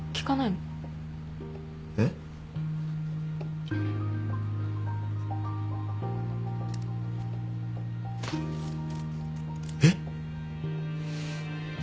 えっ？えっ？